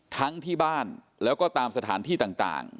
ทั้งที่บ้านแล้วก็ตามสถานที่ต่าง